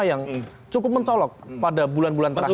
yang cukup mencolok pada bulan bulan terakhir